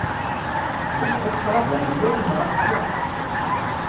Tebɣiḍ crab amellal neɣ azeggaɣ?